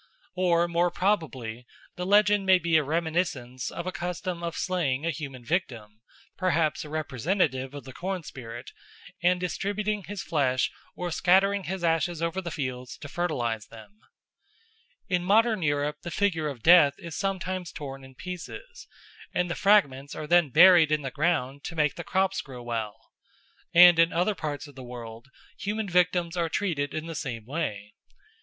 Or more probably the legend may be a reminiscence of a custom of slaying a human victim, perhaps a representative of the corn spirit, and distributing his flesh or scattering his ashes over the fields to fertilise them. In modern Europe the figure of Death is sometimes torn in pieces, and the fragments are then buried in the ground to make the crops grow well, and in other parts of the world human victims are treated in the same way.